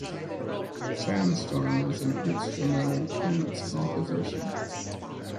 "Sandstorm" is an instrumental trance composition.